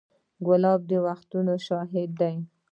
ګلاب د وختونو شاهد دی.